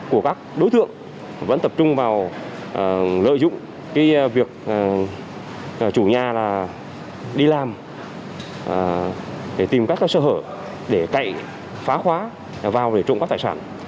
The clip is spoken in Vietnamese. các đối tượng vẫn tập trung vào lợi dụng việc chủ nhà đi làm để tìm các sơ hở để cậy phá khóa vào để trộm các tài sản